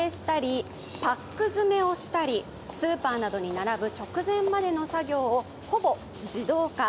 重さを測定したり、パック詰めをしたりスーパーなどに並ぶ直前までの作業をほぼ自動化。